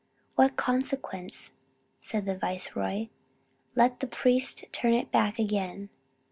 "What consequence?" said the viceroy, "_let the priests turn it back again.